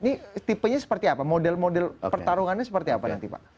ini tipenya seperti apa model model pertarungannya seperti apa nanti pak